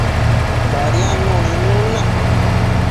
Badiadnuc nidnun na